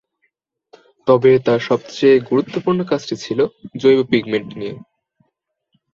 তবে তার সবচেয়ে গুরুত্বপূর্ণ কাজটি ছিল জৈব পিগমেন্ট নিয়ে।